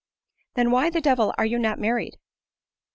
" Than why the devil are you not married